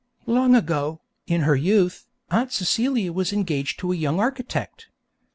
Long ago, in her youth, Aunt Celia was engaged to a young architect.